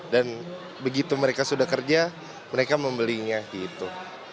dan begitu mereka sudah kerja mereka membelinya gitu